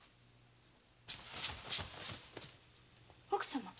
奥様？